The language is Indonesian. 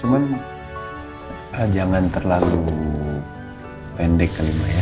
cuma jangan terlalu pendek kali maya